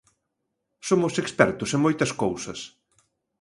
Somos expertos en moitas cousas.